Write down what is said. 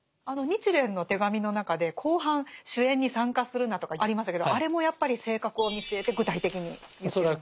あの「日蓮の手紙」の中で後半「酒宴に参加するな」とかありましたけどあれもやっぱり性格を見据えて具体的に言っているんですか？